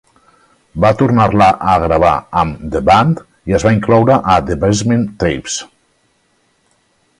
Va tornar-la a gravar amb The Band i es va incloure a "The Basement Tapes".